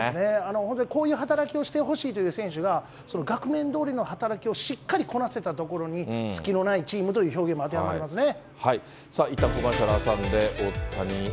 本当にこういう働きをしてほしいという選手が、額面どおりの働きをしっかりとこなせたところに、隙のないチームという表現も当てはまりますね。